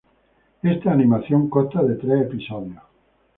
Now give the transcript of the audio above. Esta animación consta de tres episodios.